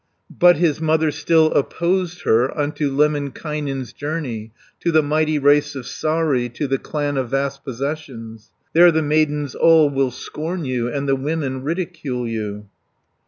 But his mother still opposed her Unto Lemminkainen's journey, 80 To the mighty race of Saari, To the clan of vast possessions. "There the maidens all will scorn you, And the women ridicule you."